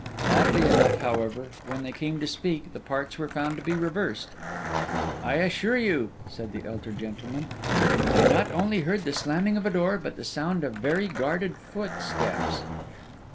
Oddly enough, however, when they came to speak, the parts were found to be reversed. 'I assure you,' said the elder gentleman, 'I not only heard the slamming of a door, but the sound of very guarded footsteps.